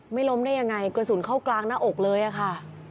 ล้มได้ยังไงกระสุนเข้ากลางหน้าอกเลยอะค่ะ